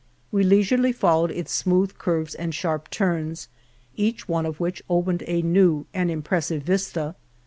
We leisurely followed its smooth curves and sharp turns, each one of which opened a new and impressive vista.